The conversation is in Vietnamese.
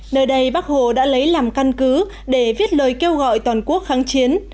nơi đây bác hồ đã lấy làm căn cứ để viết lời kêu gọi toàn quốc kháng chiến